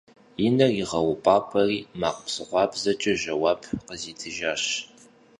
И нэр игъэупӀэрапӀэри, макъ псыгъуабзэкӀэ жэуап къызитыжащ.